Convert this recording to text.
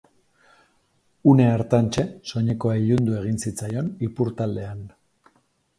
Une hartantxe, soinekoa ilundu egin zitzaion ipurtaldean.